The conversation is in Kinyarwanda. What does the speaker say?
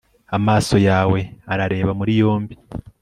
amaso yawe arareba muri yombi